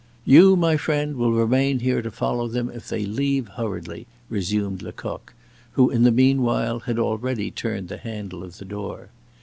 "You, my friend, will remain here to follow them if they leave hurriedly," resumed Lecoq, who in the mean while had already turned the handle of the door.